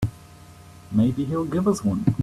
Maybe he'll give us one.